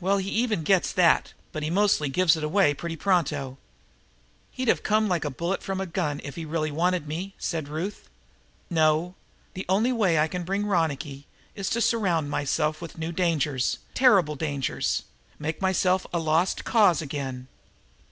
"Well, he even gets that, but most generally he gives it away pretty pronto." "He'd come like a bullet from a gun if he really wanted me," said Ruth. "No, the only way I can bring Ronicky is to surround myself with new dangers, terrible dangers, make myself a lost cause again.